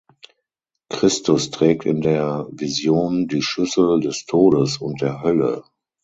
Christus trägt in der Vision die Schlüssel des Todes und der Hölle.